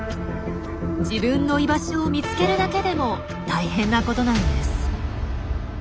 自分の居場所を見つけるだけでも大変なことなんです。